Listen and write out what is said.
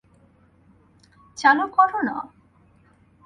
চালু করো না।